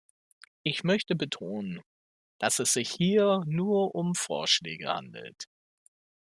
Ich möchte betonen, dass es sich hier nur um Vorschläge handelt.